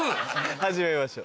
始めましょう。